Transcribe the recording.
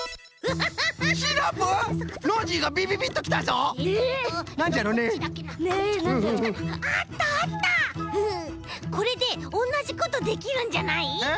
フフッこれでおんなじことできるんじゃない？え？